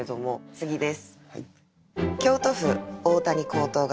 次です。